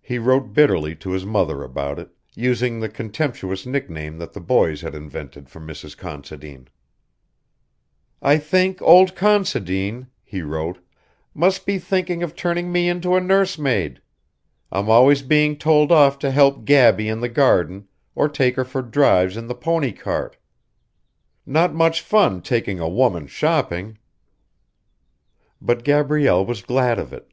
He wrote bitterly to his mother about it, using the contemptuous nickname that the boys had invented for Mrs. Considine. "I think old Considine," he wrote, "_must be thinking of turning me into a nursemaid. I'm always being told off to help Gaby in the garden or take her for drives in the pony cart. Not much fun taking a woman shopping!_" But Gabrielle was glad of it.